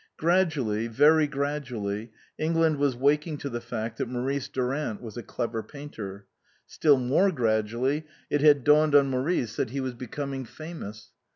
Gradually very gradually England was waking to the fact that Maurice Durant was a clever painter ; still more gradually it had dawned on Maurice that he was becoming T.S.Q. 145 L THE COSMOPOLITAN famous.